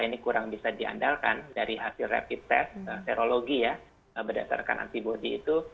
ini kurang bisa diandalkan dari hasil rapid test serologi ya berdasarkan antibody itu